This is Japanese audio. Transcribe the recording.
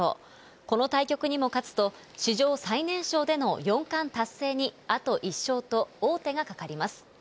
この対局にも勝つと、史上最年少での四冠達成にあと１勝と、王手がかかります。